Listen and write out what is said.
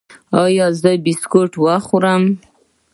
ایا زه بسکټ وخورم؟